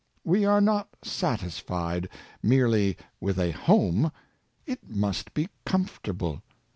We are not satisfied merely with a home. It must be comfortable.